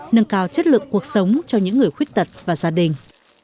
nâng cao chất lượng cuộc sống cho những người khuyết tật và gia đình